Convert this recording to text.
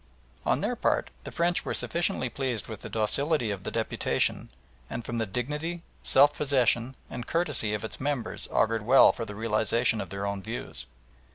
On their part the French were sufficiently pleased with the docility of the deputation, and from the dignity, self possession, and courtesy of its members augured well for the realisation of their own views.